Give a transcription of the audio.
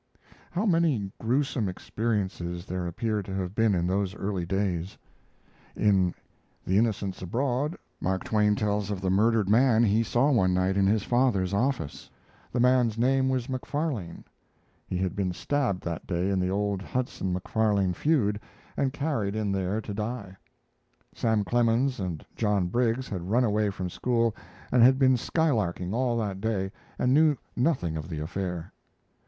How many gruesome experiences there appear to have been in those early days! In 'The Innocents Abroad' Mark Twain tells of the murdered man he saw one night in his father's office. The man's name was McFarlane. He had been stabbed that day in the old Hudson McFarlane feud and carried in there to die. Sam Clemens and John Briggs had run away from school and had been sky larking all that day, and knew nothing of the affair.